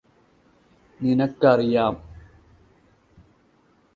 നിനക്കറിയാം